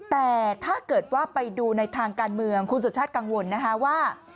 แต่ถ้าเกิดว่าไปดูในทางการเมืองคุณสุชาติกังวลนะคะว่า